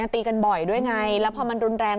ตีกันบ่อยด้วยไงแล้วพอมันรุนแรง